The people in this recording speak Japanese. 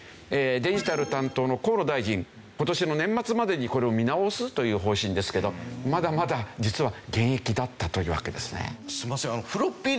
デジタル担当の河野大臣今年の年末までにこれを見直すという方針ですけどまだまだ実は現役だったというわけですね。